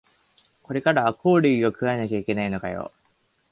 これからはコオロギ食わなきゃいけないのかよ